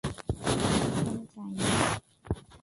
এটা কখনো চাইনি।